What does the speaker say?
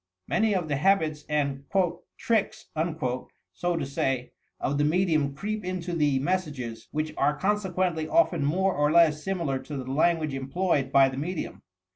Many of the habits and "tricks," 80 to say, of the medium creep into the mes sages, which are consequently often more or less similar to the language employed by the medium.